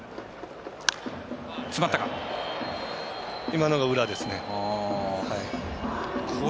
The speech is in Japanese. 今のが裏ですね。